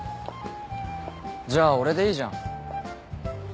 じゃあ俺でいいじゃん。